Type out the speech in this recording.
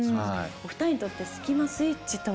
お二人にとってスキマスイッチとは。